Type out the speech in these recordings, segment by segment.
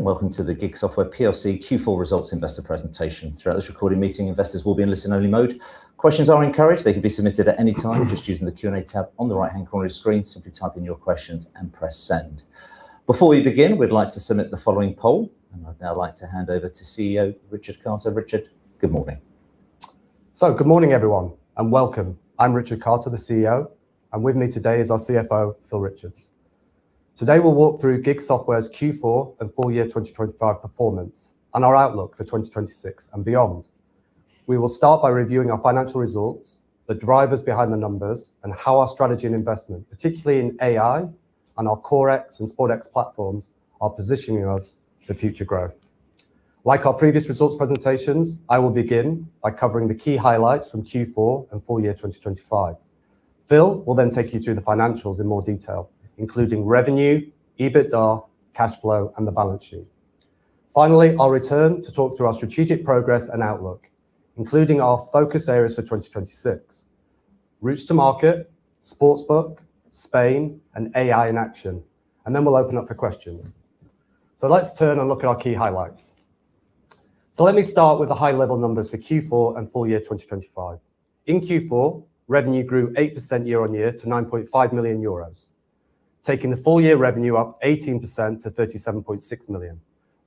Welcome to the GiG Software plc Q4 Results Investor Presentation. Throughout this recorded meeting, investors will be in listen-only mode. Questions are encouraged. They can be submitted at any time just using the Q&A tab on the right-hand corner of your screen. Simply type in your questions and press send. Before we begin, we'd like to submit the following poll. I'd now like to hand over to CEO, Richard Carter. Richard, good morning. Good morning, everyone, and welcome. I'm Richard Carter, the CEO, and with me today is our CFO, Phil Richards. Today, we'll walk through GiG Software's Q4 and full year 2025 performance and our outlook for 2026 and beyond. We will start by reviewing our financial results, the drivers behind the numbers, and how our strategy and investment, particularly in AI and our CoreX and SportX platforms, are positioning us for future growth. Like our previous results presentations, I will begin by covering the key highlights from Q4 and full year 2025. Phil will then take you through the financials in more detail, including revenue, EBITDA, cash flow, and the balance sheet. Finally, I'll return to talk through our strategic progress and outlook, including our focus areas for 2026: routes to market, sportsbook, Spain, and AI in action. Then we'll open up for questions. Let's turn and look at our key highlights. Let me start with the high-level numbers for Q4 and full year 2025. In Q4, revenue grew 8% year-on-year to 9.5 million euros, taking the full-year revenue up 18% to 37.6 million,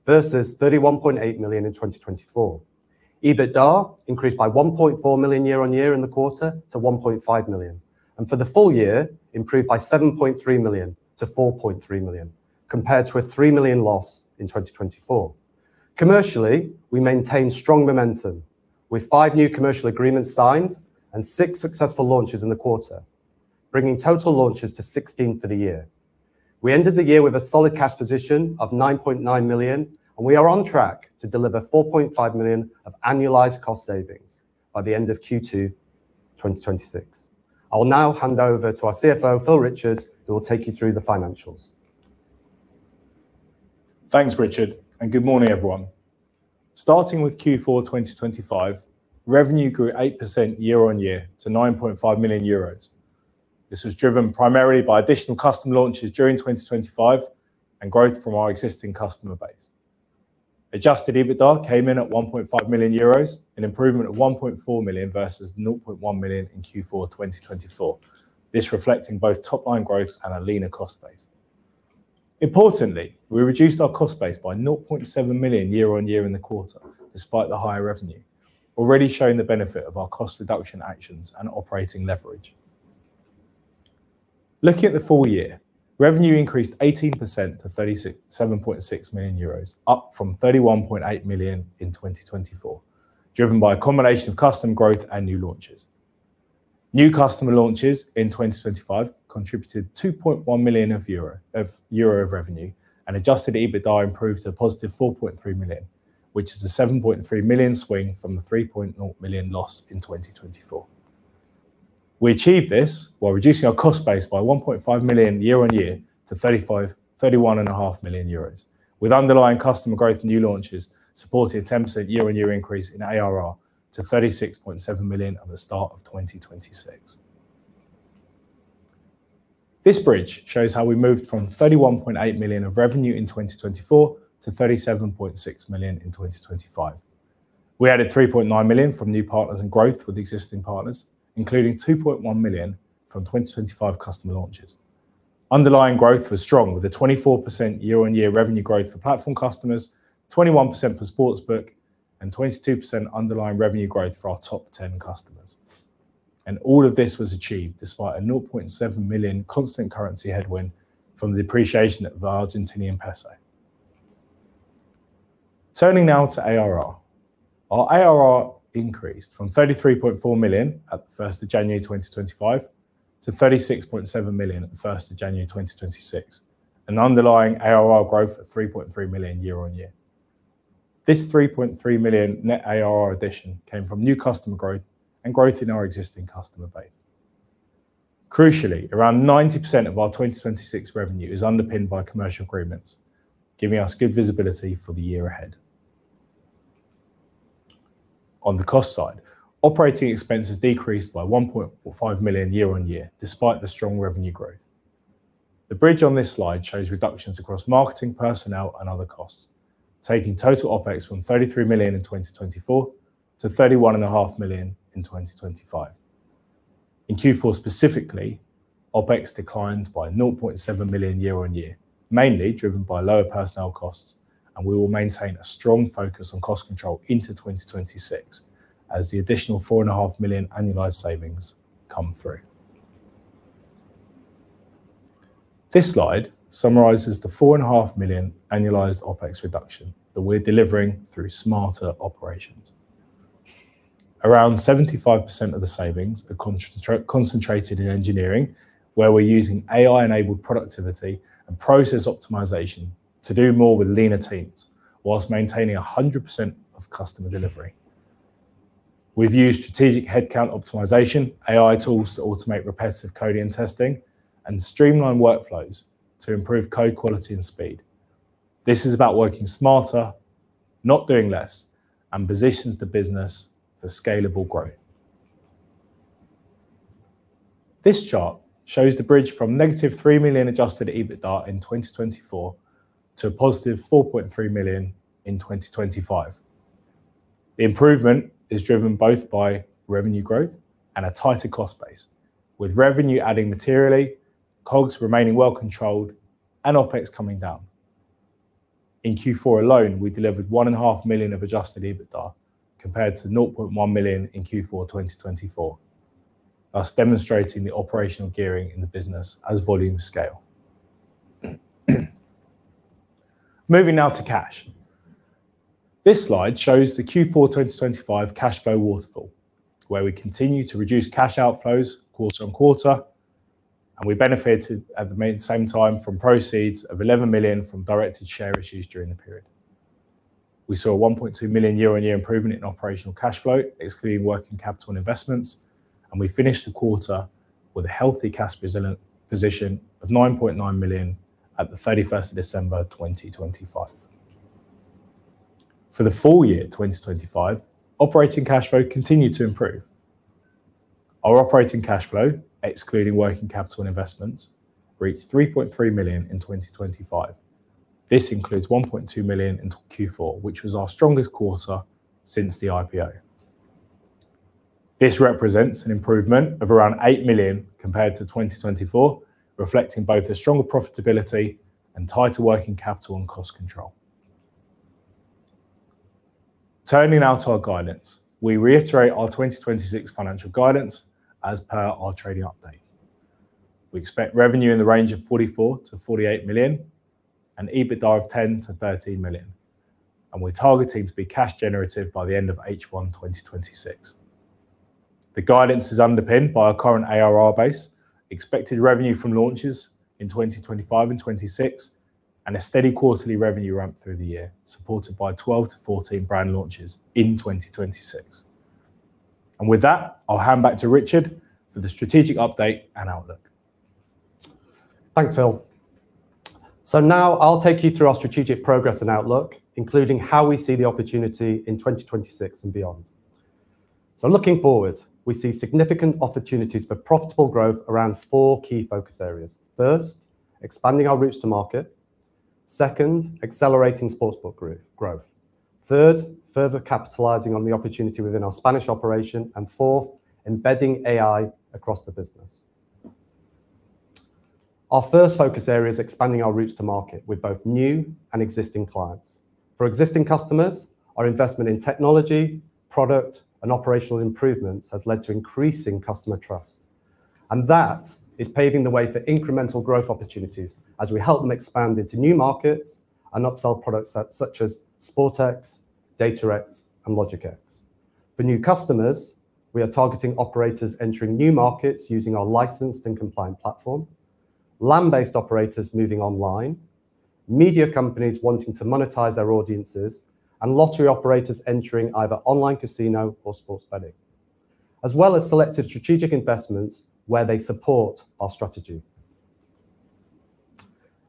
versus 31.8 million in 2024. EBITDA increased by 1.4 million year-on-year in the quarter to 1.5 million, and for the full year, improved by 7.3 million to 4.3 million, compared to a 3 million loss in 2024. Commercially, we maintained strong momentum with 5 new commercial agreements signed and 6 successful launches in the quarter, bringing total launches to 16 for the year. We ended the year with a solid cash position of 9.9 million, and we are on track to deliver 4.5 million of annualized cost savings by the end of Q2 2026. I will now hand over to our CFO, Phil Richards, who will take you through the financials. Thanks, Richard. Good morning, everyone. Starting with Q4 2025, revenue grew 8% year-over-year to 9.5 million euros. This was driven primarily by additional custom launches during 2025 and growth from our existing customer base. Adjusted EBITDA came in at 1.5 million euros, an improvement of 1.4 million versus 0.1 million in Q4 2024. This reflecting both top-line growth and a leaner cost base. Importantly, we reduced our cost base by 0.7 million year-over-year in the quarter, despite the higher revenue, already showing the benefit of our cost reduction actions and operating leverage. Looking at the full year, revenue increased 18% to 37.6 million euros, up from 31.8 million in 2024, driven by a combination of custom growth and new launches. New customer launches in 2025 contributed 2.1 million euro of revenue, and adjusted EBITDA improved to a positive 4.3 million, which is a 7.3 million swing from the 3.0 million loss in 2024. We achieved this while reducing our cost base by 1.5 million year-on-year to 31.5 million euros, with underlying customer growth and new launches, supporting a 10% year-on-year increase in ARR to 36.7 million at the start of 2026. This bridge shows how we moved from 31.8 million of revenue in 2024 to 37.6 million in 2025. We added 3.9 million from new partners and growth with existing partners, including 2.1 million from 2025 customer launches. Underlying growth was strong, with a 24% year-on-year revenue growth for platform customers, 21% for sportsbook, and 22% underlying revenue growth for our top 10 customers. All of this was achieved despite a 0.7 million constant currency headwind from the depreciation of the Argentinian peso. Turning now to ARR. Our ARR increased from 33.4 million at the first of January 2025 to 36.7 million at the first of January 2026, an underlying ARR growth of 3.3 million year on year. This 3.3 million net ARR addition came from new customer growth and growth in our existing customer base. Crucially, around 90% of our 2026 revenue is underpinned by commercial agreements, giving us good visibility for the year ahead. On the cost side, operating expenses decreased by 1.5 million year-on-year, despite the strong revenue growth. The bridge on this slide shows reductions across marketing, personnel, and other costs, taking total OpEx from 33 million in 2024 to thirty-one and a half million in 2025. In Q4, specifically, OpEx declined by 0.7 million year-on-year, mainly driven by lower personnel costs. We will maintain a strong focus on cost control into 2026 as the additional four and a half million annualized savings come through. This slide summarizes the four and a half million annualized OpEx reduction that we're delivering through smarter operations. Around 75% of the savings are concentrated in engineering, where we're using AI-enabled productivity and process optimization to do more with leaner teams while maintaining 100% of customer delivery. We've used strategic headcount optimization, AI tools to automate repetitive coding and testing, and streamline workflows to improve code quality and speed. This is about working smarter, not doing less, positions the business for scalable growth. This chart shows the bridge from negative 3 million adjusted EBITDA in 2024 to a positive 4.3 million in 2025. The improvement is driven both by revenue growth and a tighter cost base, with revenue adding materially, COGS remaining well controlled, and OpEx coming down. In Q4 alone, we delivered 1.5 million of adjusted EBITDA, compared to 0.1 million in Q4 2024, thus demonstrating the operational gearing in the business as volumes scale. Moving now to cash. This slide shows the Q4 2025 cash flow waterfall, where we continue to reduce cash outflows quarter-on-quarter, and we benefited at the same time from proceeds of 11 million from directed share issues during the period. We saw a 1.2 million year-on-year improvement in operational cash flow, excluding working capital and investments, and we finished the quarter with a healthy cash resilient position of 9.9 million at the 31st of December, 2025. For the full year 2025, operating cash flow continued to improve. Our operating cash flow, excluding working capital and investments, reached 3.3 million in 2025. This includes 1.2 million in Q4, which was our strongest quarter since the IPO. This represents an improvement of around 8 million compared to 2024, reflecting both a stronger profitability and tighter working capital and cost control. Turning now to our guidance, we reiterate our 2026 financial guidance as per our trading update. We expect revenue in the range of 44 million-48 million and EBITDA of 10 million-13 million. We're targeting to be cash generative by the end of H1 2026. The guidance is underpinned by our current ARR base, expected revenue from launches in 2025 and 2026, a steady quarterly revenue ramp through the year, supported by 12-14 brand launches in 2026. With that, I'll hand back to Richard for the strategic update and outlook. Thanks, Phil. Now I'll take you through our strategic progress and outlook, including how we see the opportunity in 2026 and beyond. Looking forward, we see significant opportunities for profitable growth around four key focus areas. First, expanding our routes to market. Second, accelerating Sportsbook growth. Third, further capitalizing on the opportunity within our Spanish operation. Fourth, embedding AI across the business. Our first focus area is expanding our routes to market with both new and existing clients. For existing customers, our investment in technology, product, and operational improvements has led to increasing customer trust, and that is paving the way for incremental growth opportunities as we help them expand into new markets and upsell products such as SportX, DataX, and LogicX. For new customers, we are targeting operators entering new markets using our licensed and compliant platform, land-based operators moving online, media companies wanting to monetize their audiences, and lottery operators entering either online casino or sports betting, as well as selective strategic investments where they support our strategy.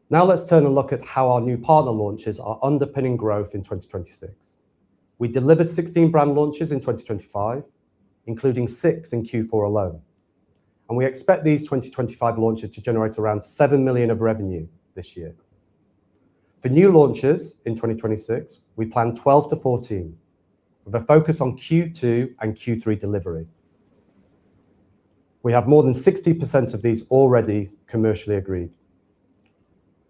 Let's turn and look at how our new partner launches are underpinning growth in 2026. We delivered 16 brand launches in 2025, including 6 in Q4 alone. We expect these 2025 launches to generate around 7 million of revenue this year. For new launches in 2026, we plan 12-14, with a focus on Q2 and Q3 delivery. We have more than 60% of these already commercially agreed.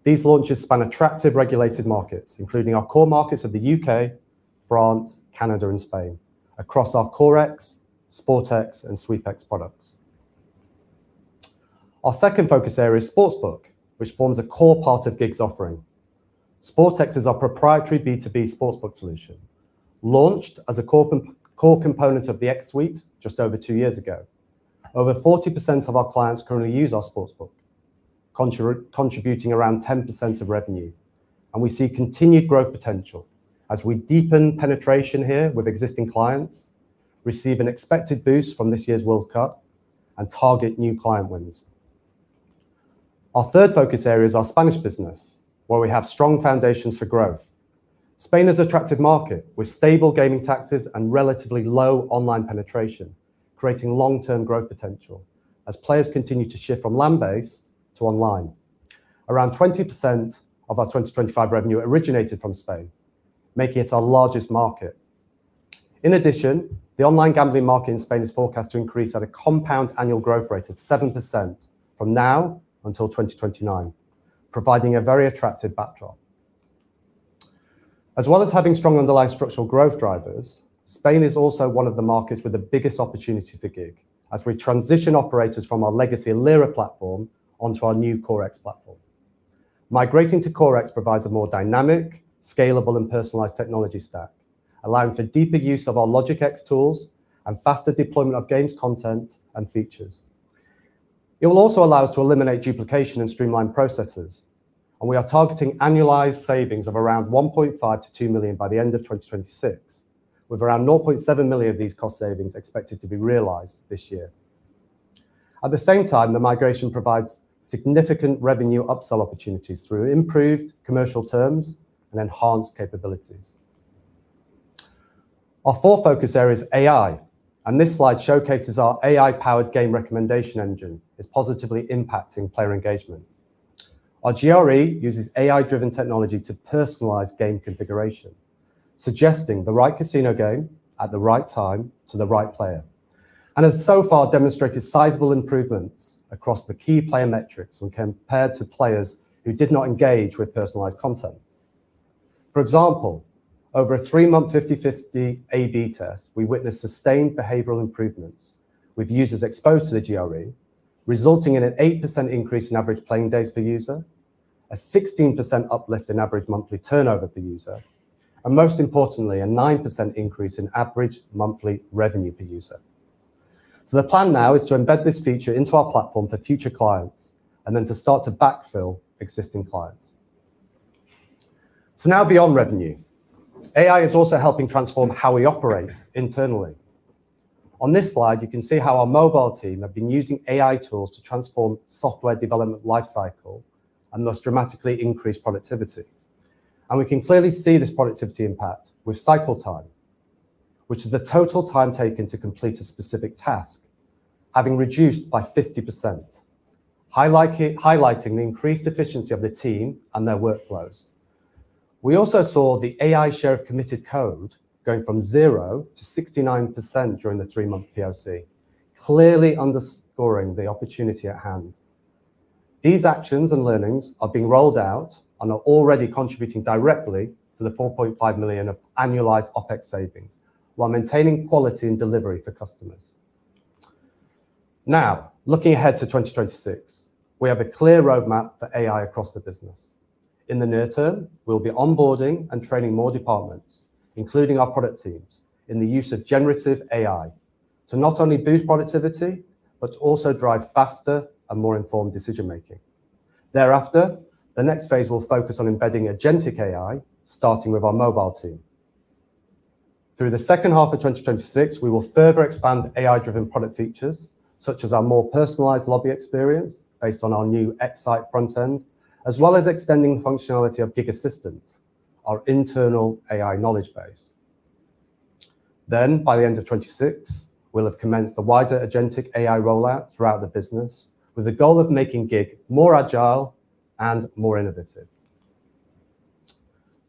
These launches span attractive regulated markets, including our core markets of the U.K., France, Canada, and Spain, across our CoreX, SportX, and SweepX products. Our second focus area is Sportsbook, which forms a core part of GiG's offering. SportX is our proprietary B2B Sportsbook solution, launched as a core component of the X-Suite just over two years ago. Over 40% of our clients currently use our Sportsbook, contributing around 10% of revenue. We see continued growth potential as we deepen penetration here with existing clients, receive an expected boost from this year's World Cup, and target new client wins. Our third focus area is our Spanish business, where we have strong foundations for growth. Spain is an attractive market, with stable gaming taxes and relatively low online penetration, creating long-term growth potential as players continue to shift from land-based to online. Around 20% of our 2025 revenue originated from Spain, making it our largest market. In addition, the online gambling market in Spain is forecast to increase at a compound annual growth rate of 7% from now until 2029, providing a very attractive backdrop. As well as having strong underlying structural growth drivers, Spain is also one of the markets with the biggest opportunity for GiG as we transition operators from our legacy Lira platform onto our new CoreX platform. Migrating to CoreX provides a more dynamic, scalable, and personalized technology stack, allowing for deeper use of our LogicX tools and faster deployment of games content and features. It will also allow us to eliminate duplication and streamline processes, and we are targeting annualized savings of around 1.5 million-2 million by the end of 2026, with around 0.7 million of these cost savings expected to be realized this year. At the same time, the migration provides significant revenue upsell opportunities through improved commercial terms and enhanced capabilities. Our fourth focus area is AI, and this slide showcases our AI-powered Game Recommendation Engine is positively impacting player engagement. Our GRE uses AI-driven technology to personalize game configuration, suggesting the right casino game at the right time to the right player, and has so far demonstrated sizable improvements across the key player metrics when compared to players who did not engage with personalized content. For example, over a 3-month, 50/50 A/B test, we witnessed sustained behavioral improvements with users exposed to the GRE, resulting in an 8% increase in average playing days per user, a 16% uplift in average monthly turnover per user, and most importantly, a 9% increase in average monthly revenue per user. The plan now is to embed this feature into our platform for future clients and then to start to backfill existing clients. Now, beyond revenue, AI is also helping transform how we operate internally. On this slide, you can see how our mobile team have been using AI tools to transform software development life cycle and thus dramatically increase productivity. We can clearly see this productivity impact with cycle time, which is the total time taken to complete a specific task, having reduced by 50%, highlighting the increased efficiency of the team and their workflows. We also saw the AI share of committed code going from 0 to 69% during the 3-month POC, clearly underscoring the opportunity at hand. These actions and learnings are being rolled out and are already contributing directly to the 4.5 million of annualized OpEx savings, while maintaining quality and delivery for customers. Looking ahead to 2026, we have a clear roadmap for AI across the business. In the near term, we'll be onboarding and training more departments, including our product teams, in the use of generative AI to not only boost productivity but to also drive faster and more informed decision-making. Thereafter, the next phase will focus on embedding agentic AI, starting with our mobile team. Through the second half of 2026, we will further expand AI-driven product features, such as our more personalized lobby experience based on our new Xsite front end, as well as extending the functionality of GiG Assistant, our internal AI knowledge base. By the end of 2026, we'll have commenced the wider agentic AI rollout throughout the business, with the goal of making GiG more agile and more innovative.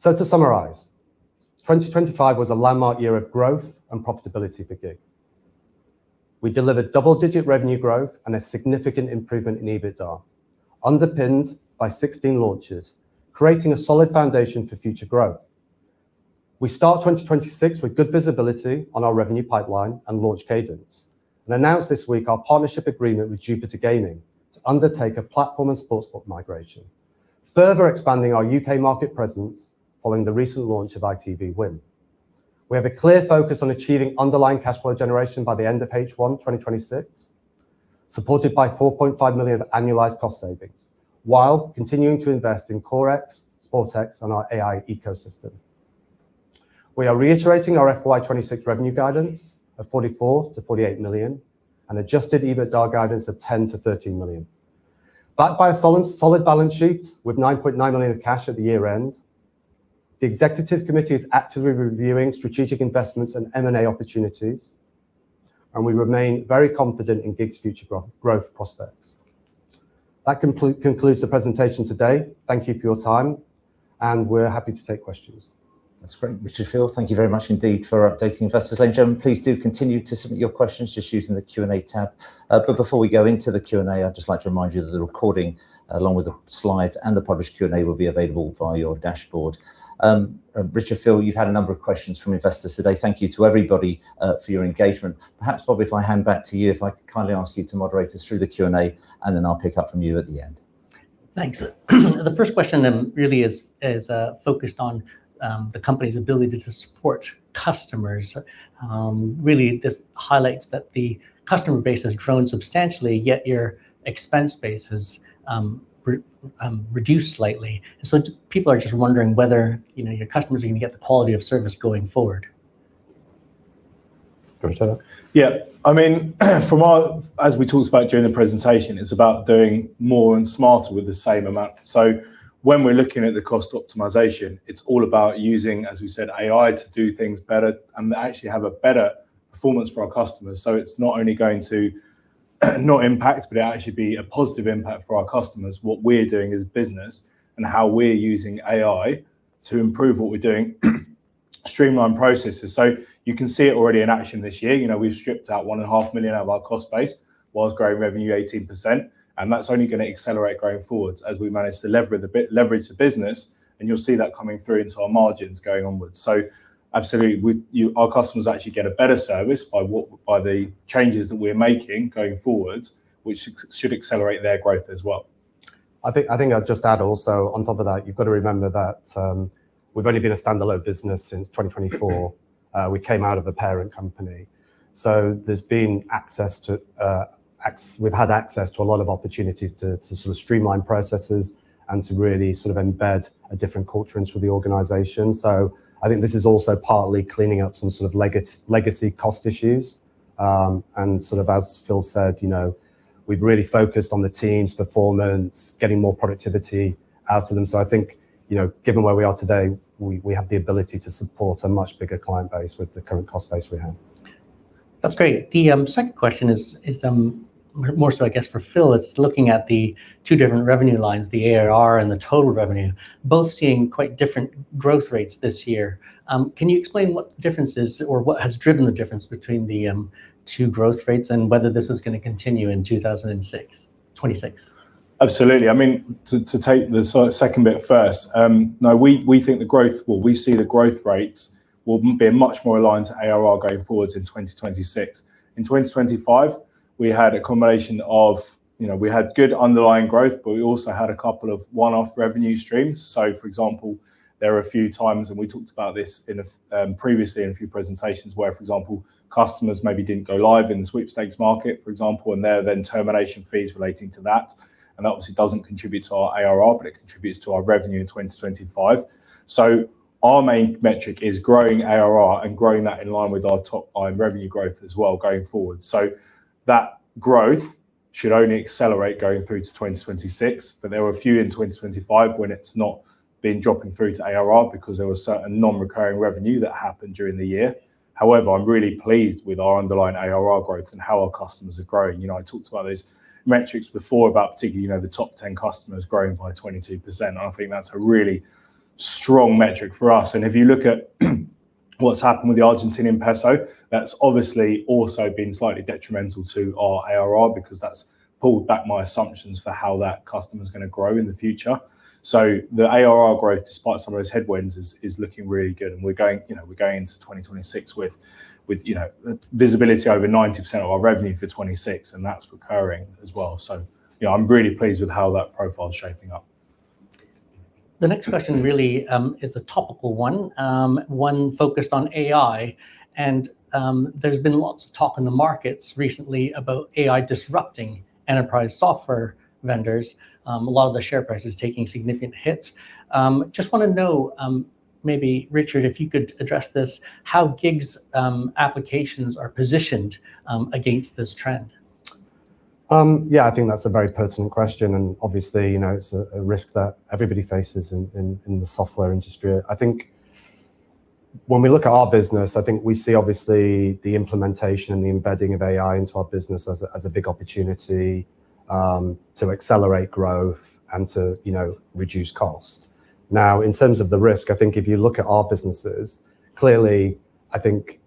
To summarize, 2025 was a landmark year of growth and profitability for GiG. We delivered double-digit revenue growth and a significant improvement in EBITDA, underpinned by 16 launches, creating a solid foundation for future growth. We start 2026 with good visibility on our revenue pipeline and launch cadence and announced this week our partnership agreement with Jupiter Gaming to undertake a platform and sportsbook migration, further expanding our UK market presence following the recent launch of ITV Win. We have a clear focus on achieving underlying cash flow generation by the end of H1, 2026, supported by 4.5 million of annualized cost savings, while continuing to invest in CoreX, SportX, and our AI ecosystem. We are reiterating our FY 2026 revenue guidance of 44 million-48 million and adjusted EBITDA guidance of 10 million-13 million. Backed by a solid balance sheet with 9.9 million of cash at the year-end, the executive committee is actively reviewing strategic investments and M&A opportunities, and we remain very confident in GiG's future growth prospects. That concludes the presentation today. Thank you for your time, and we're happy to take questions. That's great, Richard, Phil, thank you very much indeed for updating investors. Ladies and gentlemen, please do continue to submit your questions just using the Q&A tab. Before we go into the Q&A, I'd just like to remind you that the recording, along with the slides and the published Q&A, will be available via your dashboard. Richard, Phil, you've had a number of questions from investors today. Thank you to everybody for your engagement. Perhaps, Bob, if I hand back to you, if I could kindly ask you to moderate us through the Q&A, and then I'll pick up from you at the end. Thanks. The first question then really is focused on the company's ability to support customers. Really, this highlights that the customer base has grown substantially, yet your expense base has reduced slightly. People are just wondering whether, you know, your customers are going to get the quality of service going forward. Do you want to take that? I mean, as we talked about during the presentation, it's about doing more and smarter with the same amount. When we're looking at the cost optimization, it's all about using, as we said, AI to do things better and actually have a better performance for our customers. It's not only going to, not impact, but it actually be a positive impact for our customers. What we're doing as a business and how we're using AI to improve what we're doing, streamline processes. You can see it already in action this year. You know, we've stripped out one and a half million out of our cost base, whilst growing revenue 18%, and that's only gonna accelerate going forward as we manage to leverage the business, and you'll see that coming through into our margins going onwards. Absolutely, we, our customers actually get a better service by the changes that we're making going forward, which should accelerate their growth as well. I think I'd just add also on top of that, you've got to remember that, we've only been a standalone business since 2024. We came out of a parent company, there's been access to, we've had access to a lot of opportunities to sort of streamline processes and to really sort of embed a different culture into the organization. I think this is also partly cleaning up some sort of legacy cost issues. As Phil said, you know. We've really focused on the team's performance, getting more productivity out of them. I think, you know, given where we are today, we have the ability to support a much bigger client base with the current cost base we have. That's great. The second question is more so I guess for Phil. It's looking at the two different revenue lines, the ARR and the total revenue, both seeing quite different growth rates this year. Can you explain what the difference is or what has driven the difference between the two growth rates and whether this is gonna continue in 2026? Absolutely. I mean, to take the second bit first, no, well, we see the growth rates will be much more aligned to ARR going forward in 2026. In 2025, we had a combination of, you know, we had good underlying growth, but we also had a couple of one-off revenue streams. For example, there were a few times, and we talked about this previously in a few presentations, where, for example, customers maybe didn't go live in the sweepstakes market, for example, and there are then termination fees relating to that, and that obviously doesn't contribute to our ARR, but it contributes to our revenue in 2025. Our main metric is growing ARR and growing that in line with our top line revenue growth as well, going forward. That growth should only accelerate going through to 2026, but there were a few in 2025 when it's not been dropping through to ARR because there was certain non-recurring revenue that happened during the year. However, I'm really pleased with our underlying ARR growth and how our customers are growing. You know, I talked about these metrics before, about particularly, you know, the top 10 customers growing by 22%, and I think that's a really strong metric for us. If you look at what's happened with the Argentinian peso, that's obviously also been slightly detrimental to our ARR because that's pulled back my assumptions for how that customer's gonna grow in the future. The ARR growth, despite some of those headwinds, is looking really good, and we're going, you know, we're going into 2026 with, you know, visibility over 90% of our revenue for 2026, and that's recurring as well. Yeah, I'm really pleased with how that profile is shaping up. The next question really, is a topical one focused on AI. There's been lots of talk in the markets recently about AI disrupting enterprise software vendors. A lot of the share prices taking significant hits. Just wanna know, maybe, Richard, if you could address this, how GiG's applications are positioned against this trend? Yeah, I think that's a very pertinent question, and obviously, you know, it's a risk that everybody faces in, in the software industry. I think when we look at our business, I think we see obviously the implementation and the embedding of AI into our business as a, as a big opportunity to accelerate growth and to, you know, reduce cost. Now, in terms of the risk, I think if you look at our businesses, clearly, I think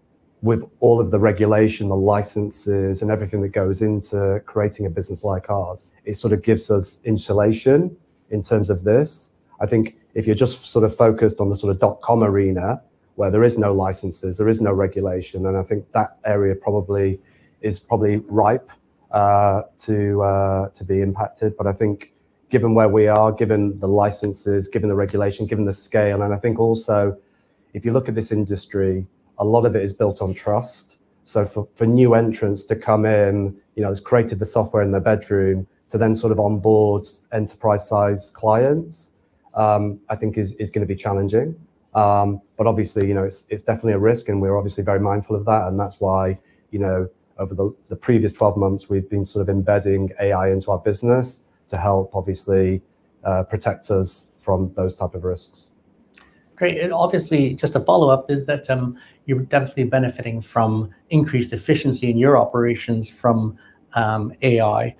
with all of the regulation, the licenses, and everything that goes into creating a business like ours, it sort of gives us insulation in terms of this. I think if you're just sort of focused on the sort of dot-com arena, where there is no licenses, there is no regulation, then I think that area probably is probably ripe to be impacted. I think given where we are, given the licenses, given the regulation, given the scale, and I think also if you look at this industry, a lot of it is built on trust. For new entrants to come in, you know, has created the software in their bedroom, to then sort of onboard enterprise-sized clients, I think is gonna be challenging. Obviously, you know, it's definitely a risk, and we're obviously very mindful of that, and that's why, you know, over the previous 12 months, we've been sort of embedding AI into our business to help obviously protect us from those type of risks. Great. Obviously, just a follow-up is that you're definitely benefiting from increased efficiency in your operations from AI.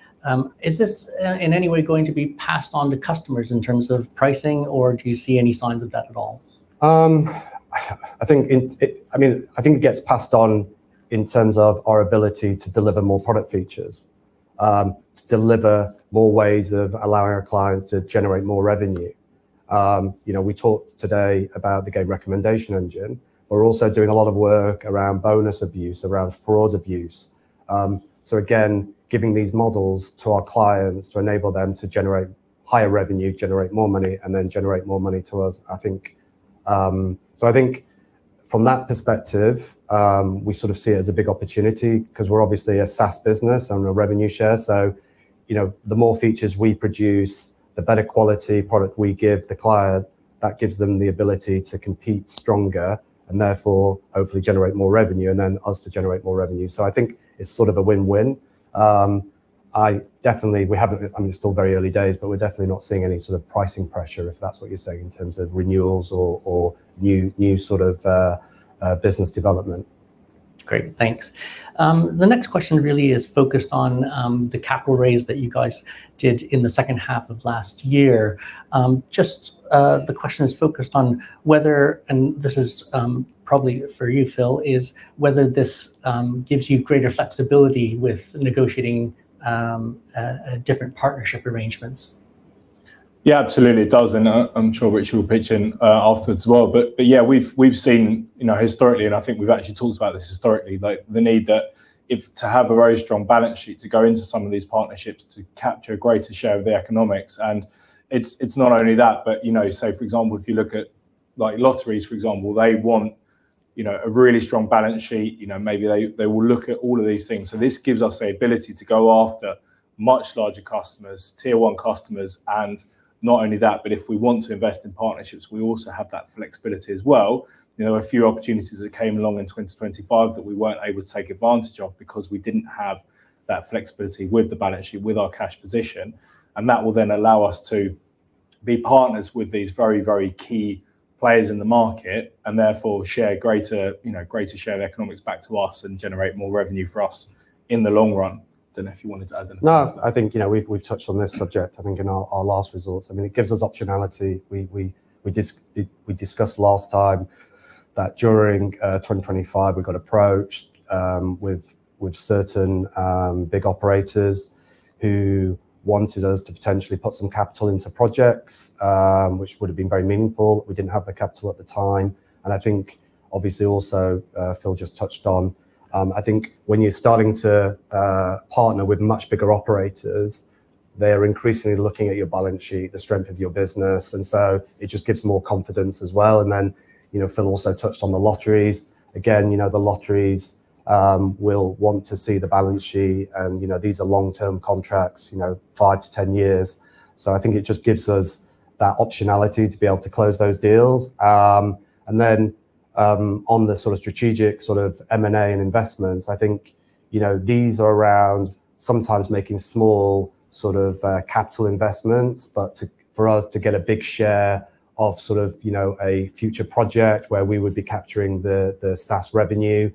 Is this in any way going to be passed on to customers in terms of pricing, or do you see any signs of that at all? I mean, I think it gets passed on in terms of our ability to deliver more product features, to deliver more ways of allowing our clients to generate more revenue. You know, we talked today about the Game Recommendation Engine. We're also doing a lot of work around bonus abuse, around fraud abuse. Again, giving these models to our clients to enable them to generate higher revenue, generate more money, and then generate more money to us, I think. I think from that perspective, we sort of see it as a big opportunity 'cause we're obviously a SaaS business on a revenue share. You know, the more features we produce, the better quality product we give the client, that gives them the ability to compete stronger and therefore, hopefully generate more revenue, and then us to generate more revenue. I think it's sort of a win-win. I definitely, I mean, it's still very early days, but we're definitely not seeing any sort of pricing pressure, if that's what you're saying, in terms of renewals or new sort of business development. Great, thanks. The next question really is focused on the capital raise that you guys did in the second half of last year. Just the question is focused on whether, and this is probably for you, Phil, is whether this gives you greater flexibility with negotiating different partnership arrangements? Yeah, absolutely, it does, and I'm sure Richard will pitch in afterwards as well. But yeah, we've seen, you know, historically, and I think we've actually talked about this historically, like the need to have a very strong balance sheet, to go into some of these partnerships, to capture a greater share of the economics. It's not only that, but, you know, say, for example, if you look at, like, lotteries, for example, they want, you know, a really strong balance sheet. You know, maybe they will look at all of these things. This gives us the ability to go after much larger customers, tier 1 customers, and not only that, but if we want to invest in partnerships, we also have that flexibility as well. You know, a few opportunities that came along in 2025 that we weren't able to take advantage of because we didn't have that flexibility with the balance sheet, with our cash position, and that will then allow us to be partners with these very, very key players in the market, and therefore share greater, you know, greater share of economics back to us and generate more revenue for us in the long run. If you wanted to add anything? No, I think, you know, we've touched on this subject, I think in our last results. I mean, it gives us optionality. We, we discussed last time that during 2025, we got approached with certain big operators who wanted us to potentially put some capital into projects, which would have been very meaningful. We didn't have the capital at the time, and I think obviously also, Phil just touched on, I think when you're starting to partner with much bigger operators, they are increasingly looking at your balance sheet, the strength of your business, and so it just gives more confidence as well. You know, Phil also touched on the lotteries. Again, you know, the lotteries, will want to see the balance sheet, and, you know, these are long-term contracts, you know, 5 to 10 years. I think it just gives us that optionality to be able to close those deals. Then, on the sort of strategic sort of M&A and investments, I think, you know, these are around sometimes making small sort of, capital investments. To, for us to get a big share of sort of, you know, a future project where we would be capturing the SaaS revenue,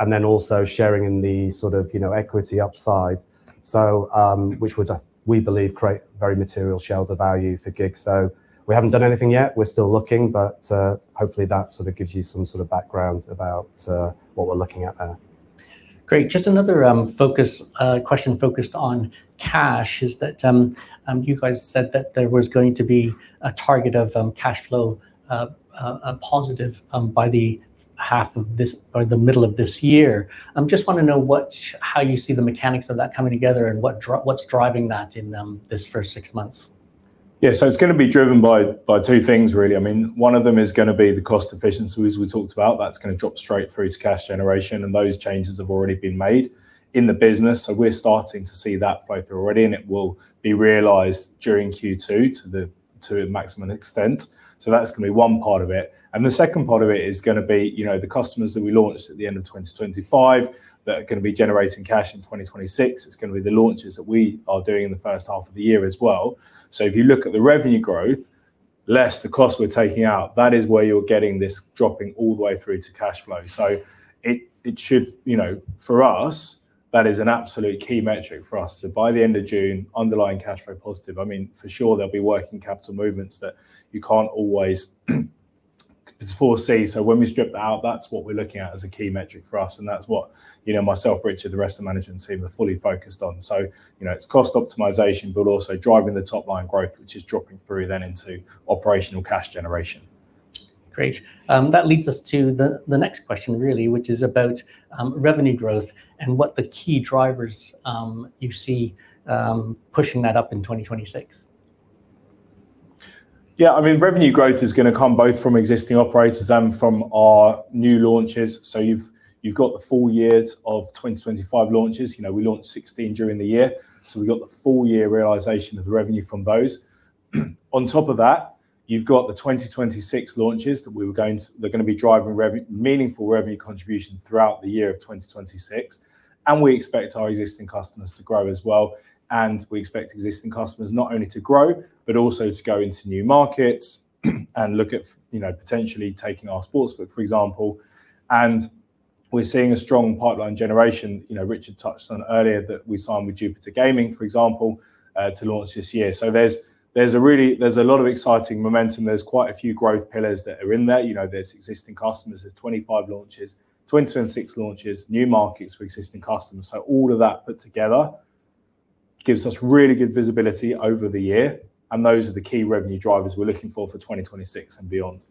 and then also sharing in the sort of, you know, equity upside. Which would, we believe, create very material shareholder value for GiG. We haven't done anything yet, we're still looking, hopefully, that sort of gives you some sort of background about, what we're looking at there. Great. Just another focus question focused on cash is that you guys said that there was going to be a target of cash flow positive by the half of this or the middle of this year. Just want to know how you see the mechanics of that coming together and what's driving that in this first six months? It's gonna be driven by two things, really. I mean, one of them is gonna be the cost efficiency, as we talked about. That's gonna drop straight through to cash generation, and those changes have already been made in the business. We're starting to see that flow through already, and it will be realized during Q2 to a maximum extent. That's gonna be one part of it. The second part of it is gonna be, you know, the customers that we launched at the end of 2025 that are gonna be generating cash in 2026. It's gonna be the launches that we are doing in the first half of the year as well. If you look at the revenue growth, less the cost we're taking out, that is where you're getting this dropping all the way through to cash flow. It should, you know, for us, that is an absolute key metric for us. By the end of June, underlying cash flow positive, I mean, for sure, there'll be working capital movements that you can't always foresee. When we strip it out, that's what we're looking at as a key metric for us, and that's what, you know, myself, Richard, the rest of the management team are fully focused on. You know, it's cost optimization, but also driving the top-line growth, which is dropping through then into operational cash generation. Great. That leads us to the next question really, which is about revenue growth and what the key drivers you see pushing that up in 2026. Yeah, I mean, revenue growth is gonna come both from existing operators and from our new launches. You've got the full years of 2025 launches. You know, we launched 16 during the year, so we got the full year realization of the revenue from those. On top of that, you've got the 2026 launches they're gonna be driving rev, meaningful revenue contribution throughout the year of 2026. We expect our existing customers to grow as well. We expect existing customers not only to grow but also to go into new markets, and look at, you know, potentially taking our sportsbook, for example. We're seeing a strong pipeline generation. You know, Richard touched on earlier that we signed with Jupiter Gaming, for example, to launch this year. There's a lot of exciting momentum. There's quite a few growth pillars that are in there. You know, there's existing customers, there's 25 launches, 2026 launches, new markets for existing customers. All of that put together gives us really good visibility over the year, and those are the key revenue drivers we're looking for for 2026 and beyond.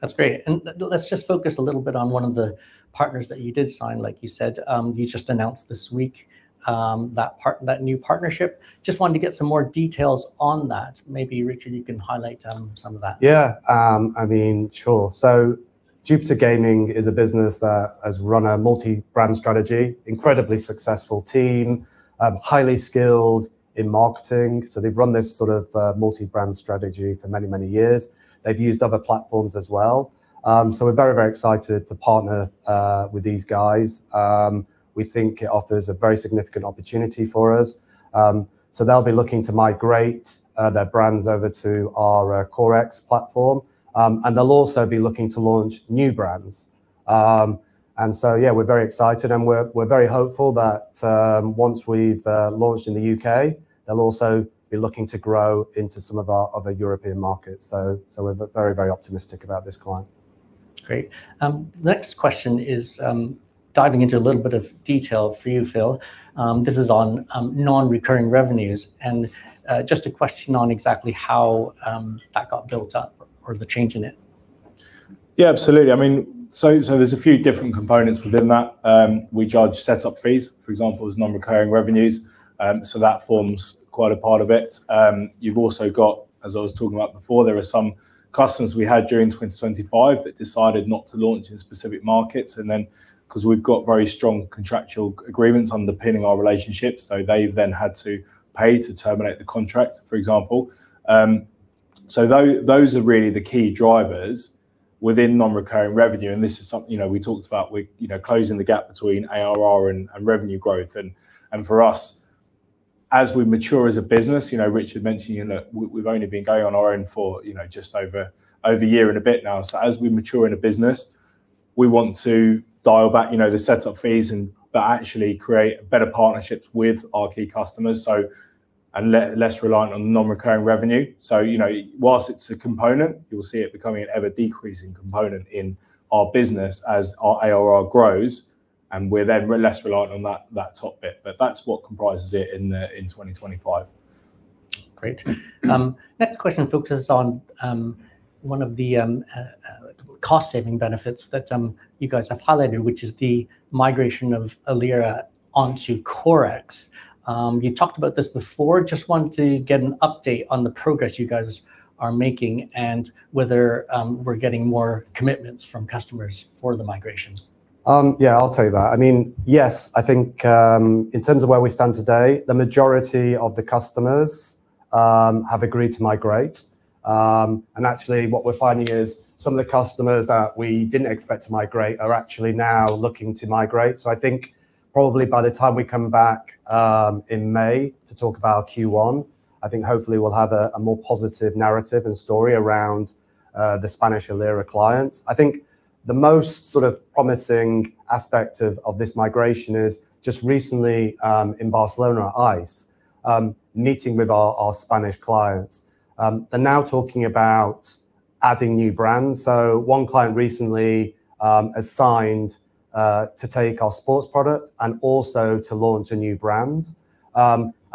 That's great. Let's just focus a little bit on one of the partners that you did sign. Like you said, you just announced this week, that new partnership. Just wanted to get some more details on that. Maybe, Richard, you can highlight, some of that. Yeah, I mean, sure. Jupiter Gaming is a business that has run a multi-brand strategy, incredibly successful team, highly skilled in marketing. They've run this sort of multi-brand strategy for many, many years. They've used other platforms as well. We're very, very excited to partner with these guys. We think it offers a very significant opportunity for us. They'll be looking to migrate their brands over to our CoreX platform. They'll also be looking to launch new brands. Yeah, we're very excited, and we're very hopeful that once we've launched in the UK, they'll also be looking to grow into some of our other European markets. We're very, very optimistic about this client. Great. Next question is, diving into a little bit of detail for you, Phil. This is on, non-recurring revenues, and, just a question on exactly how that got built up or the change in it. Yeah, absolutely. I mean, there's a few different components within that. We charge set-up fees, for example, as non-recurring revenues, so that forms quite a part of it. You've also got, as I was talking about before, there are some customers we had during 2025 that decided not to launch in specific markets, because we've got very strong contractual agreements underpinning our relationships, they then had to pay to terminate the contract, for example. Those are really the key drivers within non-recurring revenue. This is something, you know, we talked about with, you know, closing the gap between ARR and revenue growth. For us, as we mature as a business, you know, Richard mentioned, you know, that we've only been going on our own for, you know, just over a year and a bit now. As we mature in a business, we want to dial back, you know, the setup fees but actually create better partnerships with our key customers, and less reliant on non-recurring revenue. You know, whilst it's a component, you will see it becoming an ever-decreasing component in our business as our ARR grows, and we're then less reliant on that top bit. That's what comprises it in 2025. Great. Next question focuses on, one of the, cost-saving benefits that, you guys have highlighted, which is the migration of Alira onto CoreX. You talked about this before. Just want to get an update on the progress you guys are making and whether, we're getting more commitments from customers for the migrations. Yeah, I'll tell you that. I mean, yes, I think, in terms of where we stand today, the majority of the customers have agreed to migrate. Actually, what we're finding is some of the customers that we didn't expect to migrate are actually now looking to migrate. I think probably by the time we come back, in May to talk about Q1, I think hopefully we'll have a more positive narrative and story around the Spanish Alira clients. I think the most sort of promising aspect of this migration is just recently, in Barcelona, ICE, meeting with our Spanish clients. They're now talking about adding new brands. One client recently assigned to take our sports product and also to launch a new brand.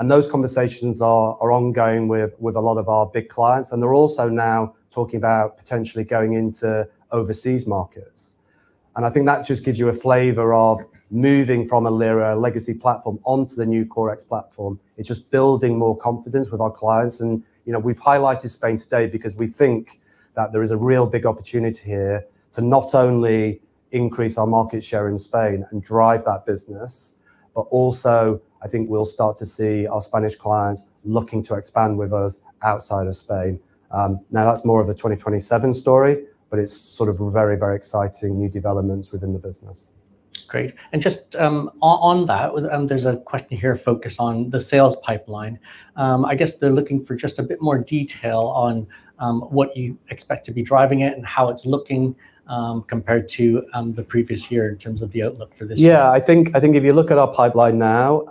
Those conversations are ongoing with a lot of our big clients, and they're also now talking about potentially going into overseas markets. I think that just gives you a flavor of moving from Alira legacy platform onto the new CoreX platform. It's just building more confidence with our clients, and, you know, we've highlighted Spain today because we think that there is a real big opportunity here to not only increase our market share in Spain and drive that business, but also, I think we'll start to see our Spanish clients looking to expand with us outside of Spain. Now that's more of a 2027 story, but it's sort of a very, very exciting new developments within the business. Great. Just on that, there's a question here, focus on the sales pipeline. I guess they're looking for just a bit more detail on what you expect to be driving it and how it's looking compared to the previous year in terms of the outlook for this. Yeah, I think if you look at our pipeline now,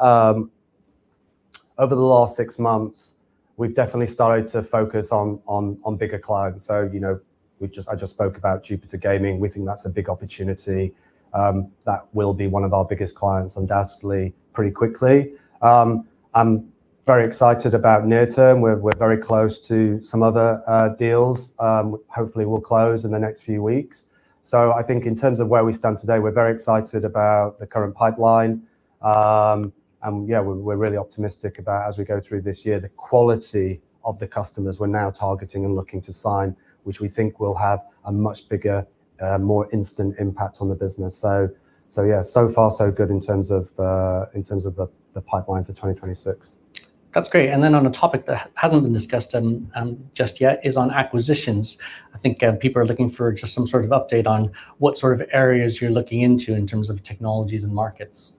over the last six months, we've definitely started to focus on bigger clients. You know, I just spoke about Jupiter Gaming. We think that's a big opportunity, that will be one of our biggest clients, undoubtedly, pretty quickly. I'm very excited about near term. We're very close to some other deals, hopefully will close in the next few weeks. I think in terms of where we stand today, we're very excited about the current pipeline. Yeah, we're really optimistic about as we go through this year, the quality of the customers we're now targeting and looking to sign, which we think will have a much bigger, more instant impact on the business. Yeah, so far so good in terms of the pipeline for 2026. That's great. On a topic that hasn't been discussed, just yet, is on acquisitions. I think, people are looking for just some sort of update on what sort of areas you're looking into in terms of technologies and markets.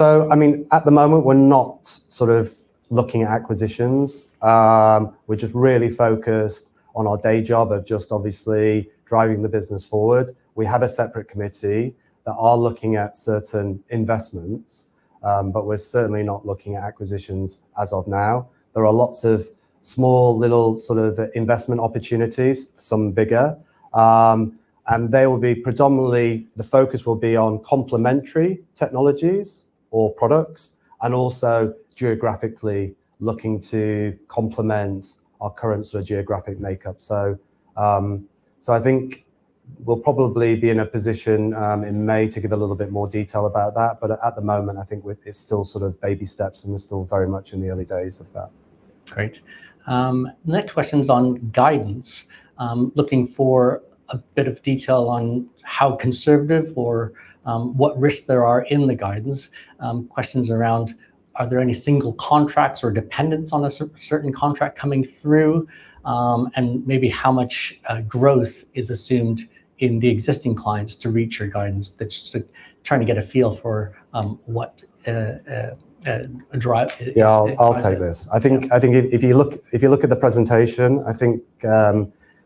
At the moment, we're not sort of looking at acquisitions. We're just really focused on our day job of just obviously driving the business forward. We have a separate committee that are looking at certain investments, but we're certainly not looking at acquisitions as of now. There are lots of small, little sort of investment opportunities, some bigger, and they will be predominantly, the focus will be on complementary technologies or products, and also geographically looking to complement our current sort of geographic makeup. I think we'll probably be in a position in May to give a little bit more detail about that, but at the moment, I think it's still sort of baby steps, and we're still very much in the early days of that. Great. Next question's on guidance. Looking for a bit of detail on how conservative or what risks there are in the guidance. Questions around, are there any single contracts or dependence on a certain contract coming through? Maybe how much growth is assumed in the existing clients to reach your guidance. That's trying to get a feel for what drive- Yeah, I'll take this. Yeah. I think, if you look at the presentation, I think,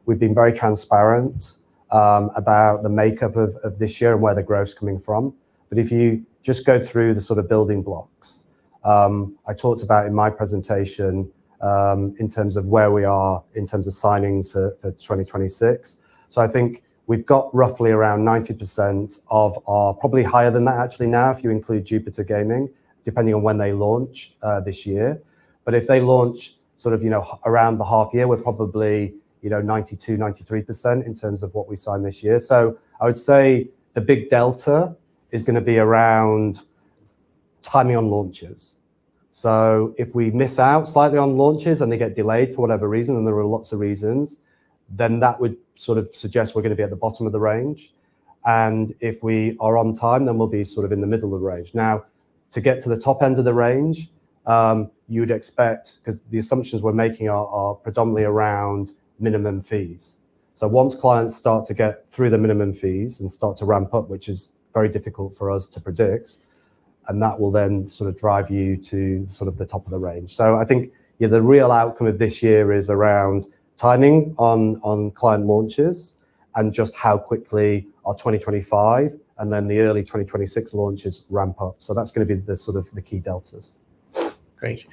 we've been very transparent about the makeup of this year and where the growth is coming from. If you just go through the sort of building blocks I talked about in my presentation, in terms of where we are, in terms of signings for 2026. I think we've got roughly around 90% probably higher than that, actually, now, if you include Jupiter Gaming, depending on when they launch this year. If they launch sort of, you know, around the half year, we're probably, you know, 92%, 93% in terms of what we sign this year. I would say the big delta is gonna be around timing on launches. If we miss out slightly on launches and they get delayed for whatever reason, and there are lots of reasons, then that would sort of suggest we're gonna be at the bottom of the range. If we are on time, then we'll be sort of in the middle of the range. To get to the top end of the range, you'd expect, 'cause the assumptions we're making are predominantly around minimum fees. Once clients start to get through the minimum fees and start to ramp up, which is very difficult for us to predict, and that will then sort of drive you to sort of the top of the range. I think, yeah, the real outcome of this year is around timing on client launches and just how quickly our 2025 and then the early 2026 launches ramp up. That's gonna be the sort of the key deltas. Great.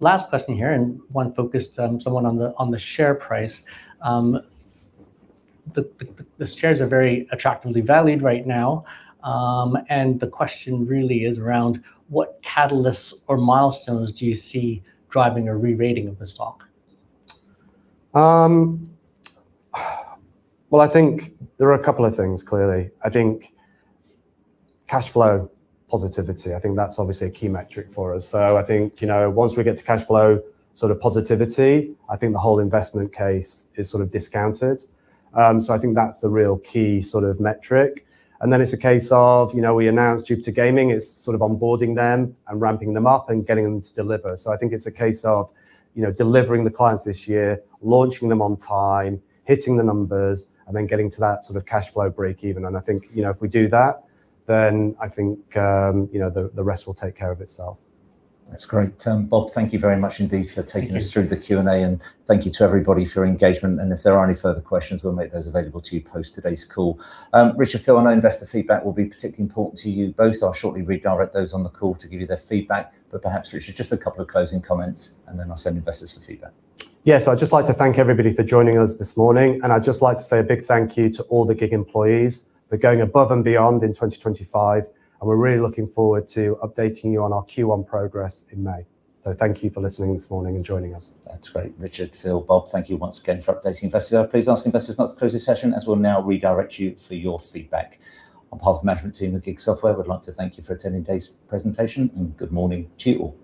Last question here, and one focused, somewhat on the share price. The shares are very attractively valued right now, and the question really is around what catalysts or milestones do you see driving a re-rating of the stock? Well, I think there are a couple of things, clearly. I think cash flow positivity, I think that's obviously a key metric for us. I think, you know, once we get to cash flow sort of positivity, I think the whole investment case is sort of discounted. I think that's the real key sort of metric, and then it's a case of, you know, we announced Jupiter Gaming is sort of onboarding them and ramping them up and getting them to deliver. I think it's a case of, you know, delivering the clients this year, launching them on time, hitting the numbers, and then getting to that sort of cash flow breakeven. I think, you know, if we do that, then I think, you know, the rest will take care of itself. That's great. Bob, thank you very much indeed for taking. Thank you. Through the Q&A. Thank you to everybody for your engagement. If there are any further questions, we'll make those available to you post today's call. Richard, Phil, I know investor feedback will be particularly important to you both. I'll shortly redirect those on the call to give you their feedback. Perhaps, Richard, just a couple of closing comments, and then I'll send investors for feedback. Yes, I'd just like to thank everybody for joining us this morning, and I'd just like to say a big thank you to all the GiG employees for going above and beyond in 2025, and we're really looking forward to updating you on our Q1 progress in May. Thank you for listening this morning and joining us. That's great. Richard, Phil, Bob, thank you once again for updating investors. I please ask investors not to close this session, as we'll now redirect you for your feedback. On behalf of the management team at GiG Software, we'd like to thank you for attending today's presentation. Good morning to you all.